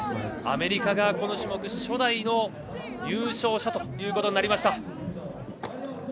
アメリカがこの種目の初代の優勝者となりました。